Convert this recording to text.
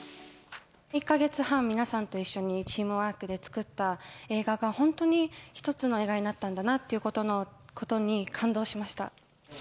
１か月半、皆さんと一緒にチームワークで作った映画が本当に一つの映画になったんだなっていうことに感動しました。